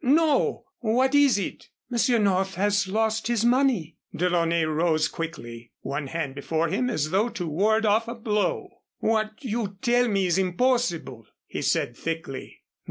No what is it?" "Monsieur North has lost his money." DeLaunay rose quickly, one hand before him as though to ward off a blow. "What you tell me is impossible," he said thickly.